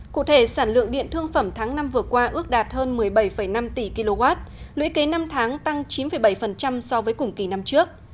cụ thể sản lượng điện thương phẩm tháng năm vừa qua ước đạt hơn một mươi bảy năm tỷ kwh lũy kế năm tháng tăng chín bảy so với cùng kỳ năm trước